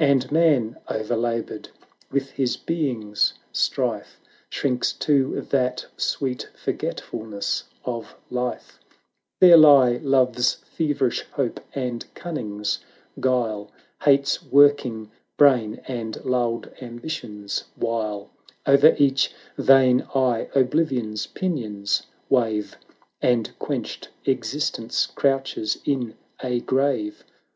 \nd Man, o'erlaboured with his Being's strife, Shrinks to that sweet forgetfulness of life: There lie Love's feverish hope, and Cunning's guile, Hate's working brain, and lulled Ambi tion's wile: O'er each vain eye ObUvion's pinions wave, .A.nd quenched Existence crouches in a grave.